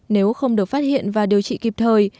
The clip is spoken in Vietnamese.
nếu không được phát hiện và điều trị kịp thời